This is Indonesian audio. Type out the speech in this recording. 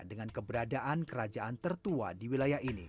dengan keberadaan kerajaan tertua di wilayah ini